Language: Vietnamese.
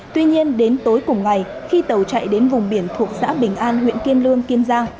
tuy nhiên đến tối cùng ngày khi tàu chạy đến vùng biển thuộc xã bình an huyện kiên lương kiên giang